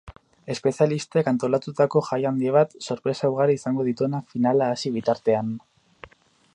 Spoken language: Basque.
Espezialistek antolatutako jai handi bat, sorpresa ugari izango dituena finala hasi bitartean.